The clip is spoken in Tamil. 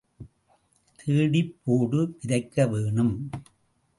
தேடிப்போடு விதைக்க வேணும்.